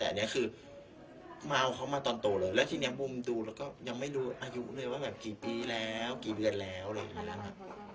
แต่อันนี้คือมาเอาเขามาตอนโตเลยแล้วทีนี้มุมดูแล้วก็ยังไม่รู้อายุเลยว่าแบบกี่ปีแล้วกี่เดือนแล้วอะไรอย่างนี้นะครับ